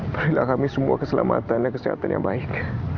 berilah kami semua keselamatan dan kesehatan yang baik